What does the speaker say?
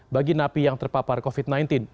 bagi napi yang terpapar covid sembilan belas